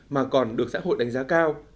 mà còn được xã hội đánh giá cao